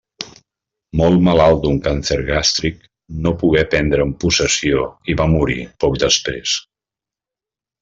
Molt malalt d'un càncer gàstric, no pogué prendre'n possessió i va morir poc després.